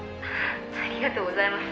「ありがとうございます。